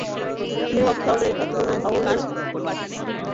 New York শহরের এইসব পুরোনো ভবনের স্থাপত্যশিল্পে বাসা বানাতে এরা পছন্দ করে।